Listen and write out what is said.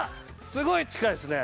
すごい近いですね。